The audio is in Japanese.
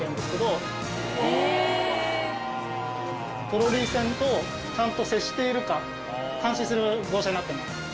トロリ線とちゃんと接しているか監視する号車になっています。